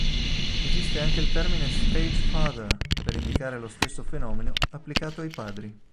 Esiste anche il termine Stage father, per indicare lo stesso fenomeno applicato ai padri.